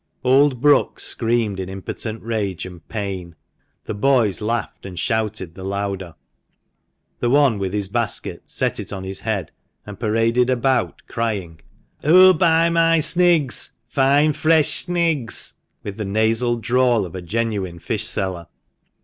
Old Brookes screamed in impotent rage and pain ; the boys laughed and shouted the louder. The one with his basket set it on his head, and paraded about, crying, " Who'll buy my snigs ? Fine fresh snigs!" with the nasal drawl of a genuine fish seller.